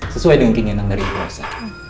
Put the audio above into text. sesuai dengan keinginan dari puasa